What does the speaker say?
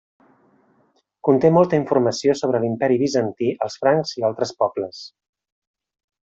Conté molta informació sobre l'Imperi Bizantí, els francs i altre pobles.